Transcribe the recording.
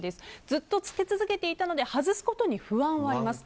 ずっと着け続けていたので外すことに不安はあります。